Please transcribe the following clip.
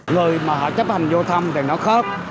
người mà họ chấp hành giao thông thì nó khớp